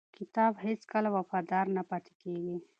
کتاب هیڅکله وفادار نه پاتې کېږي.